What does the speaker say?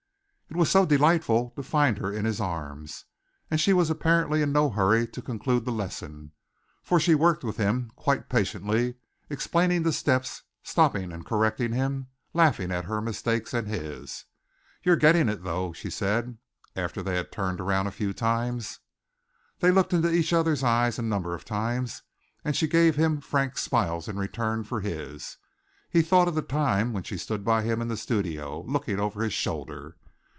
It was so delightful to find her in his arms! And she was apparently in no hurry to conclude the lesson, for she worked with him quite patiently, explaining the steps, stopping and correcting him, laughing at her mistakes and his. "You're getting it, though," she said, after they had turned around a few times. They had looked into each other's eyes a number of times and she gave him frank smiles in return for his. He thought of the time when she stood by him in the studio, looking over his shoulder.